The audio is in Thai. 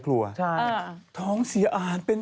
ข้าวใส่ข้าว